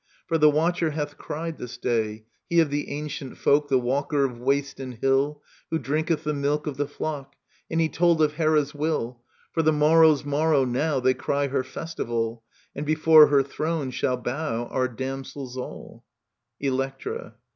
For the Watcher hath cried this day : He of the ancient folk. The walker of waste and hill, Who drinketh the milk of the flock ; And he told of Hera*s will ; For the morrow's morrow now They cry her festivalj^ And before her throne shall bow Our damsels all Electra.